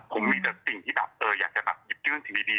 ผมมีแต่สิ่งที่แบบอยากจะแบบหยิบยื่นสิ่งดี